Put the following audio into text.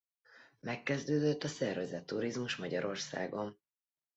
Megkezdődött a szervezett turizmus Magyarországon.